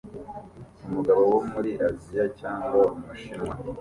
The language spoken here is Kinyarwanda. Umugabo wo muri Aziya cyangwa Umushinwa